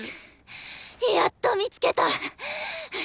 やっと見つけた！